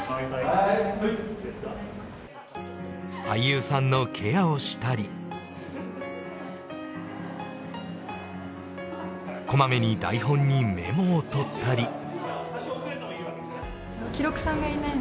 俳優さんのケアをしたりこまめに台本にメモを取ったり。